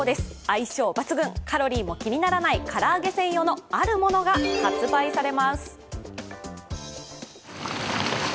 相性抜群、カロリーも気にならない唐揚げ専用のあるものが発売されます。